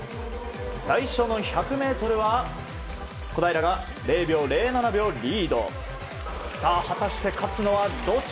最初の１００ｍは小平が０秒０７リード。